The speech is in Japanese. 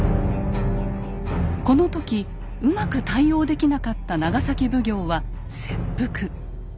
この時うまく対応できなかった長崎奉行は切腹。